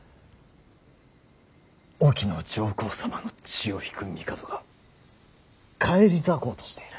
隠岐の上皇様の血を引く帝が返り咲こうとしている。